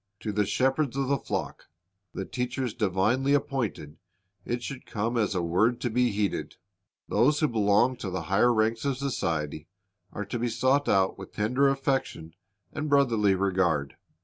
To the shepherds of the flock, the teachers divinely appointed, it should come as a word to be heeded. Those who belong to the higher ranks of society are to be sought out with tender affection and brotherly regard.